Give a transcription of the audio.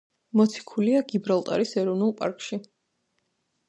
მოქცეულია გიბრალტარის ეროვნული პარკში.